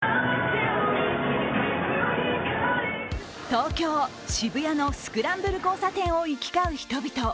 東京・渋谷のスクランブル交差点を行き交う人々。